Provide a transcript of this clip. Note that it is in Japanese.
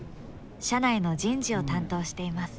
社内の人事を担当しています。